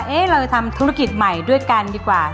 เราจะทำธุรกิจใหม่ด้วยกันดีกว่า